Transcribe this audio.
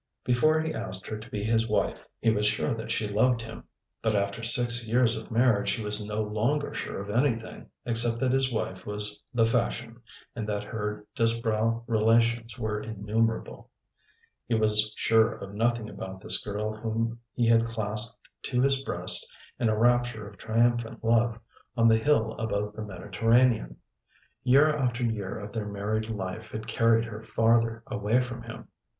Before he asked her to be his wife he was sure that she loved him; but after six years of marriage he was no longer sure of anything, except that his wife was the fashion, and that her Disbrowe relations were innumerable. He was sure of nothing about this girl whom he had clasped to his breast in a rapture of triumphant love, on the hill above the Mediterranean. Year after year of their married life had carried her farther away from him.